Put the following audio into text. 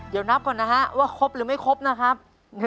เดี๋ยวนับก่อนนะฮะว่าครบหรือไม่ครบนะครับ